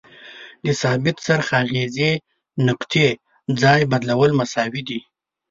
د ثابت څرخ اغیزې نقطې ځای بدلول مساوي دي.